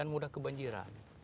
hujan mudah kebanjiran